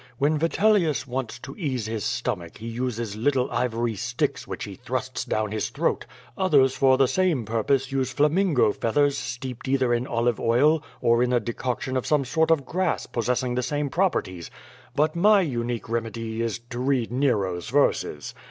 When Vitelius wants to ease his stomach he uses little ivory sticks which he thrusts down his throat; others for the same purpose use flammingo feathers steeped either in olive oil or in a decoction of some sort of grass possessing the same properties; but my unique remedy is to read Nero's verses.